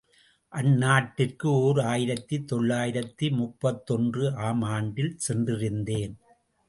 அந்நாட்டிற்கு ஓர் ஆயிரத்து தொள்ளாயிரத்து முப்பத்தொன்று ஆம் ஆண்டில் சென்றிருந்தேன்.